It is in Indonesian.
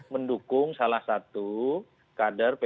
mendukung salah satu kader pdip yang diusung oleh pdip